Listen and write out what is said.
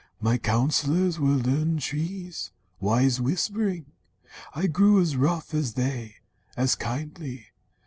My counsellors Were learned trees, wise whispering. I grew As rough as they, as kindly.